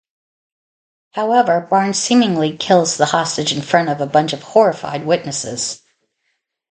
However, Barnes seemingly kills the hostage in front of a bunch of horrified witnesses.